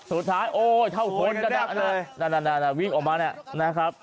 สุดท้ายโอ้ยเท่าคนก็ดังเลยนั่นวิ่งออกมาเนี่ยนะครับ